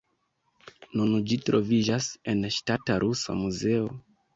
Nun ĝi troviĝas en Ŝtata Rusa Muzeo.